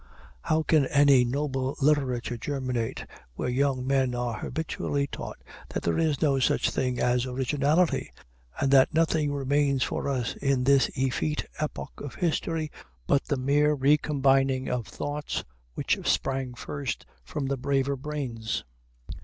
How can any noble literature germinate where young men are habitually taught that there is no such thing as originality, and that nothing remains for us in this effete epoch of history but the mere recombining of thoughts which sprang first from braver brains?